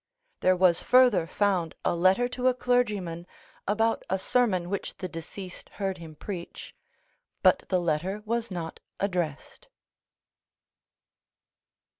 There was further found a letter to a clergyman about a sermon which the deceased heard him preach, but the letter was not addressed."